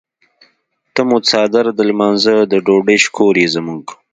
ته مو څادر د لمانځۀ د ډوډۍ شکور یې زموږ.